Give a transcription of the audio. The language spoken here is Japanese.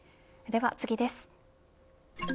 では次です。